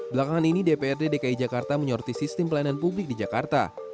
belakangan ini dprd dki jakarta menyoroti sistem pelayanan publik di jakarta